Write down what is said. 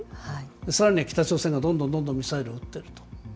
さらに北朝鮮がどんどんどんどんミサイルを撃っていった。